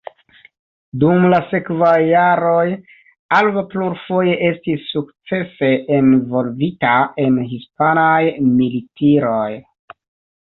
Dum la sekvaj jaroj Alva plurfoje estis sukcese envolvita en hispanaj militiroj.